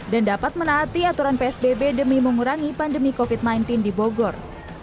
dan dapat menaati aturan psbb demi mengurangi pandemi covid sembilan belas di bogor